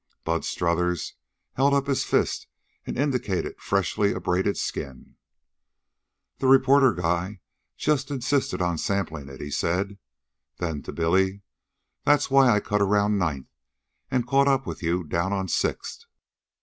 Bud Strothers held up his fist and indicated freshly abraded skin. "The reporter guy just insisted on samplin' it," he said. Then, to Billy: "That's why I cut around Ninth an' caught up with you down on Sixth."